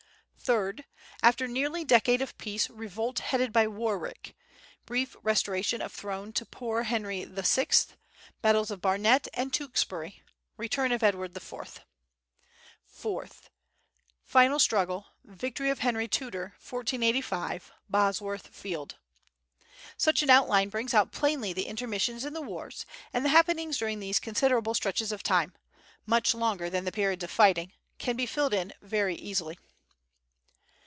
Third After nearly decade of peace, revolt headed by Warwick. Brief restoration of throne to poor Henry VI; battles of Barnet and Tewkesbury. Return of Edward IV. Fourth Final struggle, victory of Henry Tudor, 1485, Bosworth Field. Such an outline brings out plainly the intermissions in the wars, and the happenings during these considerable stretches of time (much longer than the periods of fighting) can be filled in very easily.